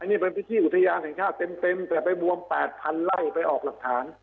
นี่เป็นพิธีอุทยานแห่งชาติเต็มแต่ไปบวม๘๐๐ไล่ไปออกหลักฐาน